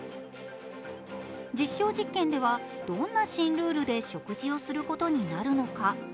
実証実験では、どんな新ルールで食事をすることになるのか。